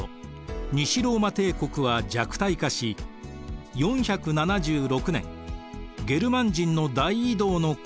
西ローマ帝国は弱体化し４７６年ゲルマン人の大移動の混乱のなか滅びました。